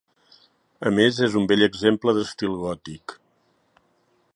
A més és un bell exemple d'estil gòtic.